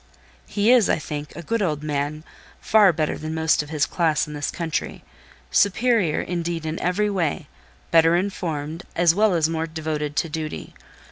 He is, I think, a good old man, far better than most of his class in this country; superior, indeed, in every way, better informed, as well as more devoted to duty.